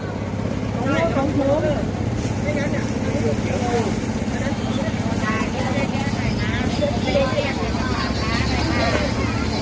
สวัสดีครับทุกคนวันนี้เกิดขึ้นเกิดขึ้นทุกวันนี้นะครับ